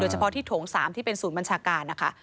เฉพาะที่โถง๓ที่เป็นศูนย์บัญชาการนะคะ